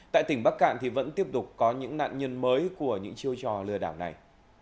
tại tỉnh bắc cạn thì vẫn tiếp tục có những nạn nhân mới của những chiêu trò lừa đảo này